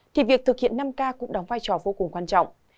thì việc thực hiện năm k cũng đóng vai trò vô cùng quan trọng